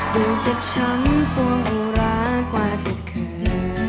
ดูเจ็บชั้นส่วงอุระกว่าที่เคย